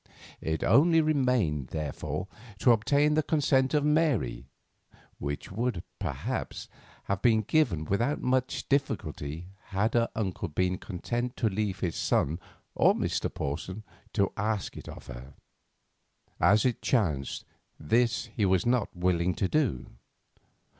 It only remained, therefore, to obtain the consent of Mary, which would perhaps, have been given without much difficulty had her uncle been content to leave his son or Mr. Porson to ask it of her. As it chanced, this he was not willing to do.